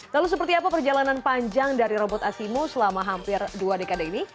lalu seperti apa perjalanan panjang dari robot asimo selama hampir dua dekade ini